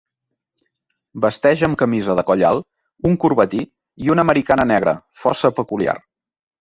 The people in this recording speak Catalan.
Vesteix amb camisa de coll alt, un corbatí i una americana negra, força peculiar.